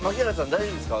大丈夫ですか？